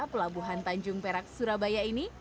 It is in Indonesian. pelabuhan tanjung perak surabaya ini